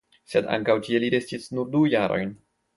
Sed ankaŭ tie li restis nur du jarojn.